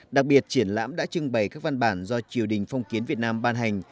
đặc biệt triển lãm đã trưng bày các văn bản do triều đình phong kiến việt nam ban hành